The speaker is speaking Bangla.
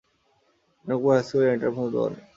তিনি রংপুর হাইস্কুলে এন্ট্রান্স পর্যন্ত পড়েন ।